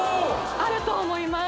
あると思います